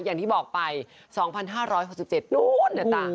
อย่างที่บอกไป๒๕๖๗โน้น